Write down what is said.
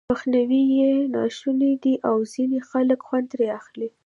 مخنيوی یې ناشونی دی او ځينې خلک خوند ترې اخلي.